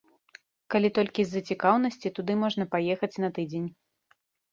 Калі толькі з-за цікаўнасці туды можна паехаць на тыдзень.